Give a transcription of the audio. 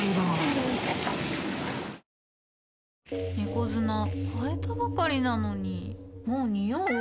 猫砂替えたばかりなのにもうニオう？